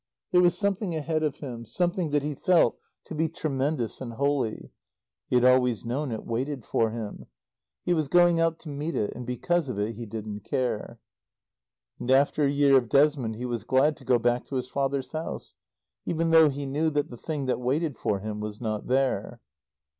There was something ahead of him, something that he felt to be tremendous and holy. He had always known it waited for him. He was going out to meet it; and because of it he didn't care. And after a year of Desmond he was glad to go back to his father's house; even though he knew that the thing that waited for him was not there.